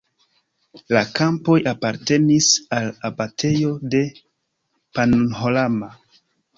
La kampoj apartenis al abatejo de Pannonhalma.